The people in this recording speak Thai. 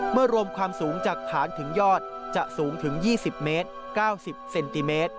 เมื่อรวมความสูงจากฐานถึงยอดจะสูงถึง๒๐เมตร๙๐เซนติเมตร